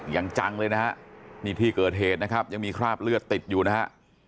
อย่างจังเลยนะฮะนี่ที่เกิดเหตุนะครับยังมีคราบเลือดติดอยู่นะฮะ